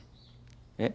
えっ？